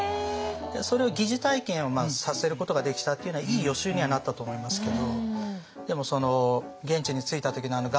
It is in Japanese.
それを疑似体験をさせることができたっていうのはいい予習にはなったと思いますけど。